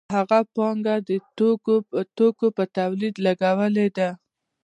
هغه پانګه د توکو په تولید لګولې ده